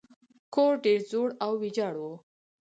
کور ډیر زوړ او ویجاړ و.